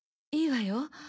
いいわよ。